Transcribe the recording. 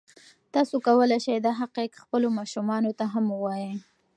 تاسو کولی شئ دا حقایق خپلو ماشومانو ته هم ووایئ.